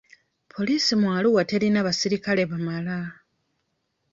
Poliisi mu Arua terina basirikale bamala.